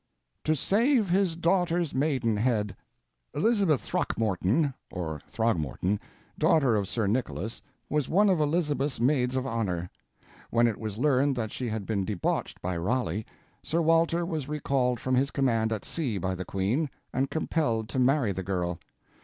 "TO SAVE HIS DOTER'S MAIDENHEDDE" Elizabeth Throckmorton (or Throgmorton), daughter of Sir Nicholas, was one of Elizabeth's maids of honor. When it was learned that she had been debauched by Raleigh, Sir Walter was recalled from his command at sea by the Queen, and compelled to marry the girl.